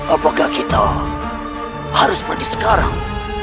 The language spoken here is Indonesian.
apakah kita harus pergi sekarang